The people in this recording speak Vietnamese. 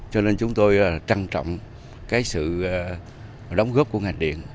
cho nên chúng tôi trân trọng cái sự đóng góp của ngành điện